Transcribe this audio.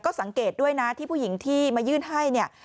ก็สังเกตด้วยนะที่ผู้หญิงที่มายื่นให้เนี่ย